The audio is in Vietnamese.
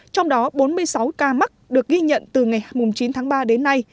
trong đó bốn mươi sáu ca mắc được ghi nhận từ ngày chín tháng ba đến nay